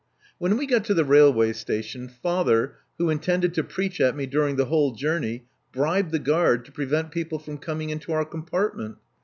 When we got to the railway station, father, who intended to preach at me during the whole journey, bribed the guard to prevent people from coming into our compartment.